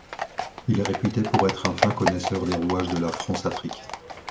Il est réputé pour être un fin connaisseur des rouages de la Françafrique.